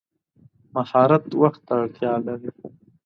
مهارت وخت ته اړتیا لري.